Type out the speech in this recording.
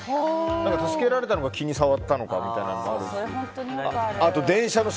助けられたのが気に障ったみたいなのもありますし